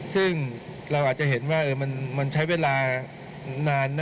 ซึ่งเราอาจจะเห็นว่ามันใช้เวลานานนะ